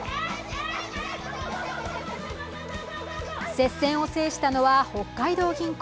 接戦を制したのは北海道銀行。